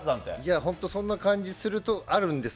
そんな感じあるんです。